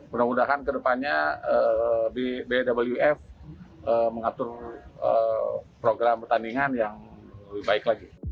mudah mudahan ke depannya bwf mengatur program pertandingan yang lebih baik lagi